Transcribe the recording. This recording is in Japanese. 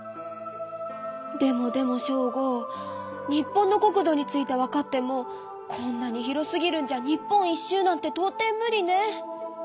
でもでもショーゴ日本の国土について分かってもこんなに広すぎるんじゃ日本一周なんてとう底ムリね。